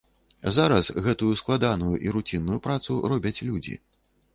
Зараз гэтую складаную і руцінную працу робяць людзі.